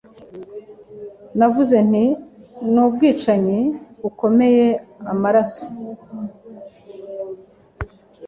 Navuze nti Nubwicanyi bukomeye amaraso